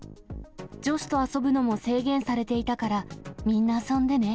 女子と遊ぶのも制限されていたから、みんな遊んでね。